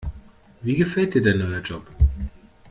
Wie gefällt dir dein neuer Job?